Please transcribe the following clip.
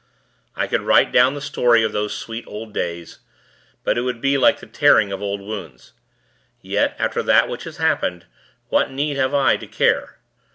I would write down the story of those sweet, old days; but it would be like the tearing of old wounds; yet, after that which has happened, what need have I to care?